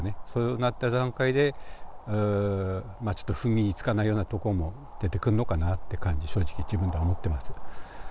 そうなった段階で、ちょっと踏ん切りつかないようなところも出てくるのかなって感じ、正直自分でも思ってます。